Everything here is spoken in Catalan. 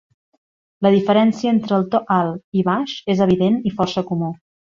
La diferència entre el to alt i baix és evident i força comú.